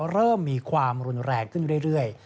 เริ่มมีความรุนแรงขึ้นเรื่อย